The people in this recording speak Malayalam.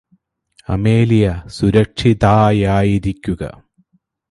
അമേലിയ സുരക്ഷിതായായിരിക്കുക